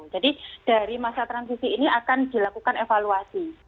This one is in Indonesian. jadi dari masa transisi ini akan dilakukan evaluasi